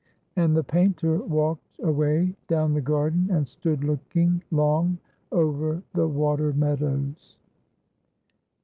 And the painter walked away down the garden, and stood looking long over the water meadows.